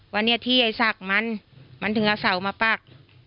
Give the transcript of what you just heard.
วันนี้ที่ไอ้ศักดิ์มันมันถึงเอาเสามาปัก